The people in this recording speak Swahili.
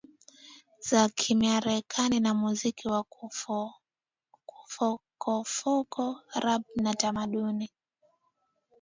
za kimarekani za muziki wa kufokafoka rap na tamaduni